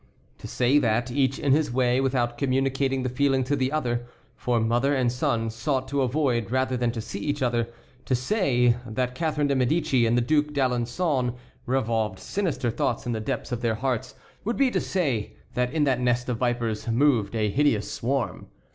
To say that, each in his way, without communicating the feeling to the other, for mother and son sought to avoid rather than to see each other, to say that Catharine de Médicis and the Duc d'Alençon revolved sinister thoughts in the depths of their hearts would be to say that in that nest of vipers moved a hideous swarm.